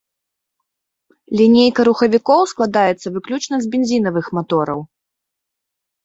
Лінейка рухавікоў складаецца выключна з бензінавых матораў.